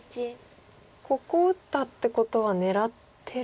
ここを打ったっていうことは狙ってる？